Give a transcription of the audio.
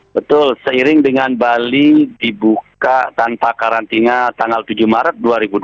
betul seiring dengan bali dibuka tanpa karantina tanggal tujuh maret dua ribu dua puluh